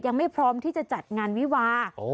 ยังไม่พร้อมที่จะจัดงานวิวา